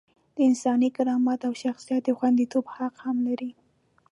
د انساني کرامت او شخصیت د خونديتوب حق هم لري.